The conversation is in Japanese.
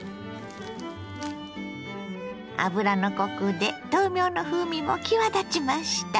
油のコクで豆苗の風味も際立ちました。